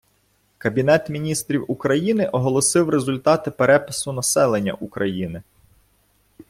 Кабінет міністрів України оголосив результати перепису населення України